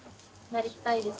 なりたいです。